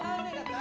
・何？